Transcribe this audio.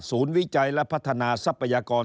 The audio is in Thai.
วิจัยและพัฒนาทรัพยากร